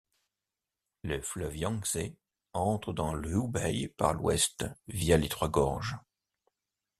Le fleuve Yangtze entre dans le Hubei par l'ouest via les Trois Gorges.